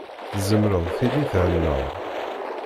Tzemreḍ tili thennaḍ.